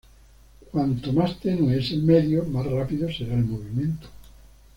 Cuanto más tenue es el medio, más rápido será el movimiento.